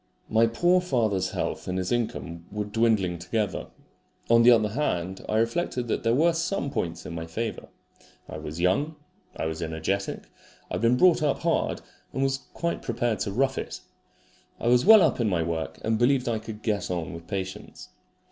My poor father's health and his income were dwindling together. On the other hand, I reflected that there were some points in my favour. I was young. I was energetic. I had been brought up hard, and was quite prepared to rough it. I was well up in my work, and believed I could get on with patients.